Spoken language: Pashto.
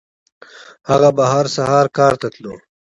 هغه به هر سهار کار ته تلو.